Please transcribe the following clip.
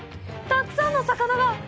たくさんの魚が！